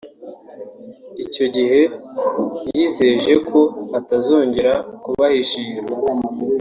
Icyo gihe yizeje ko atazongera kubahishira